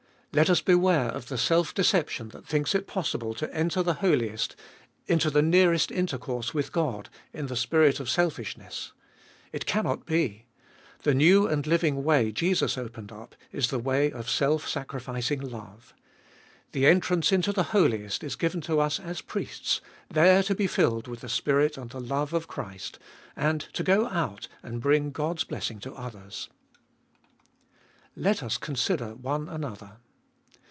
Let us beware of the self deception that thinks it pos sible to enter the Holiest, into the nearest intercourse with God, in the spirit of selfishness. It cannot be. The new and living way Jesus opened up is the way of self sacrificing love. The entrance into the Holiest is given to us as priests, there to be filled with the Spirit and the love of Christ, and to go out and bring God's blessing to others. Let us consider one another.